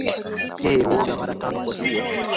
Yeye huoga mara tano kwa siku